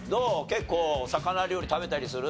結構魚料理食べたりする？